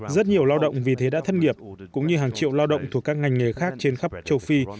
rất nhiều lao động vì thế đã thất nghiệp cũng như hàng triệu lao động thuộc các ngành nghề khác trên khắp châu phi